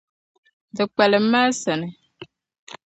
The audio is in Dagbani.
Di kpalim a sani.